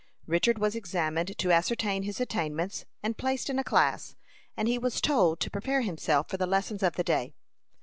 Richard was examined to ascertain his attainments, and placed in a class, and he was told to prepare himself for the lessons of the day.